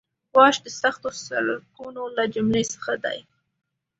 واش د سختو سړکونو له جملې څخه دی